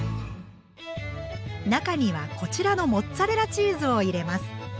中にはこちらのモッツァレラチーズを入れます。